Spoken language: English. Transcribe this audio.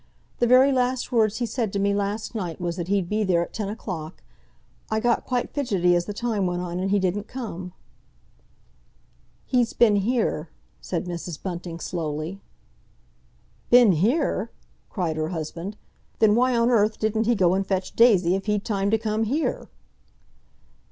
"The very last words he said to me last night was that he'd be there at ten o'clock. I got quite fidgety as the time went on and he didn't come." "He's been here," said Mrs. Bunting slowly. "Been here?" cried her husband. "Then why on earth didn't he go and fetch Daisy, if he'd time to come here?"